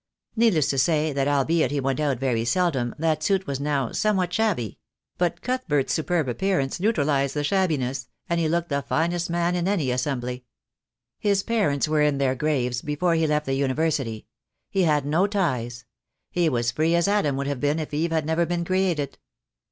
Needless to say that albeit he went out very sel dom that suit was now somewhat shabby; but Cuthbert's superb appearance neutralized the shabbiness, and he looked the finest man in any assembly. His parents were in their graves before he left the University. He had no ties. He was free as Adam would have been if Eve had never been created.